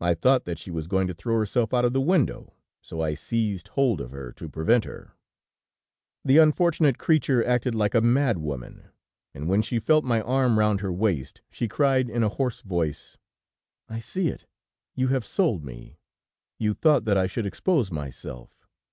I thought that she was going to throw herself out of the window, so I seized hold of her to prevent her. "The unfortunate creature acted like a madwoman, and when she felt my arm round her waist, she cried in a hoarse voice: "'I see it ... You have sold me ... You thought that I should expose myself....